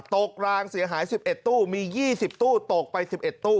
กลางเสียหาย๑๑ตู้มี๒๐ตู้ตกไป๑๑ตู้